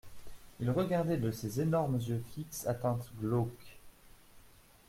Il regardait de ses énormes yeux fixes à teintes glauques.